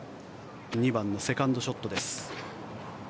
２番のセカンドショットです。